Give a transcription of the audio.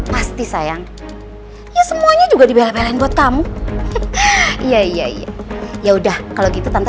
pasti sayang ya semuanya juga dibela belain buat kamu ya ya ya udah kalau gitu tante